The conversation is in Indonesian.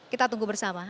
kita tunggu bersama